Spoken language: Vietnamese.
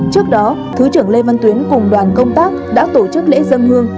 trước đó thứ trưởng lê văn tuyến cùng đoàn công tác đã tổ chức lễ dân hương